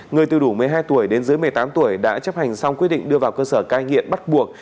người từ đủ một mươi hai tuổi đến dưới một mươi tám tuổi đã chấp hành xong quy định đưa vào cơ sở cai nghiện bắt buộc